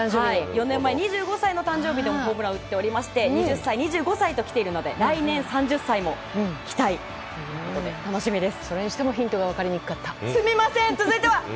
４年前、２５歳の誕生日でもホームランを打っておりまして２０歳、２５歳ときているので来年の３０歳も期待ということで楽しみです。